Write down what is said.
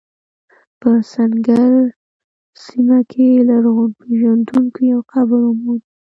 په سنګیر سیمه کې لرغونپېژندونکو یو قبر وموند.